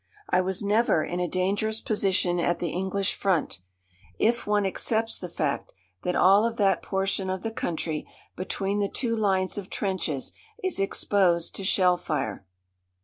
I was never in a dangerous position at the English front, if one excepts the fact that all of that portion of the country between the two lines of trenches is exposed to shell fire.